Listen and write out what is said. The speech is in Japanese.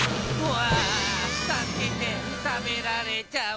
わあたすけてたべられちゃう！